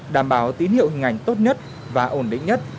đảm bảo tín hiệu hình ảnh tốt nhất và ổn định nhất